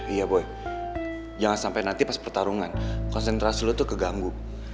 iya boy jangan sampai nanti pas pertarungan konsentrasi lo tuh keganggu